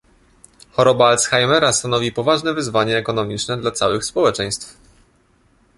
Choroba Alzheimera stanowi poważne wyzwanie ekonomiczne dla całych społeczeństw